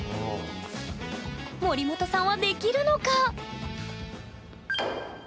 森本さんはできるのか？